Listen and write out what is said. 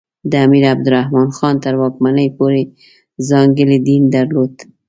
د امیر عبدالرحمان خان تر واکمنۍ پورې ځانګړی دین درلود.